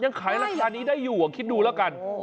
ยังขายราคานี้ได้อยู่คิดดูแล้วกัน